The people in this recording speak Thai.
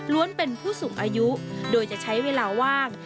เป็นผู้สูงอายุโดยจะใช้เวลาว่าง